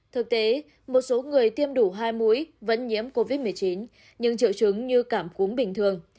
thực tế một số người tiêm đủ hai mũi vẫn nhiễm covid một mươi chín nhưng triệu chứng như cảm cúm bình thường